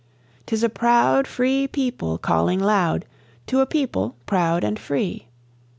'Tis a proud free people calling loud to a people proud and free.